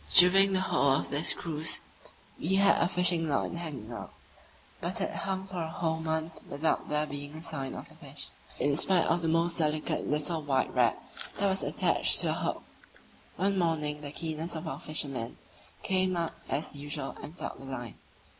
During the whole of this cruise we had a fishing line hanging out, but it hung for a whole month without there being a sign of a fish, in spite of the most delicate little white rag that was attached to the hook. One morning the keenest of our fishermen came up as usual and felt the line.